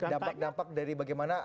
dampak dampak dari bagaimana